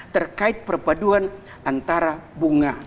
terkait perpaduan antara bunga